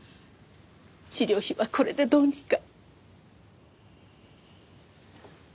治療費はこれでどうにか！